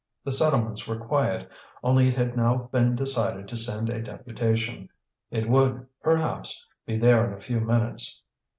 The settlements were quiet; only it had now been decided to send a deputation. It would, perhaps, be there in a few minutes.